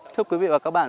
thưa quý vị và các bạn